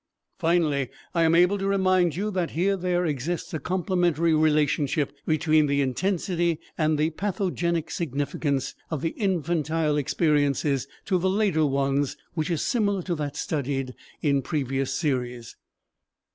Finally, I am able to remind you that here there exists a complementary relationship between the intensity and the pathogenic significance of the infantile experiences to the later ones which is similar to that studied in previous series.